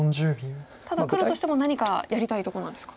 ただ黒としても何かやりたいとこなんですか。